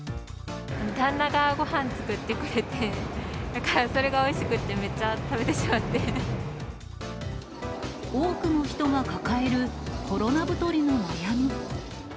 旦那がごはん作ってくれて、だからそれがおいしくて、多くの人が抱えるコロナ太りの悩み。